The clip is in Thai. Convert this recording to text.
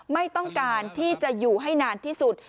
ไม่ต้องการที่จะอยู่ให้นานที่สุด